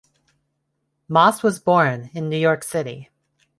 Moss was born in New York City.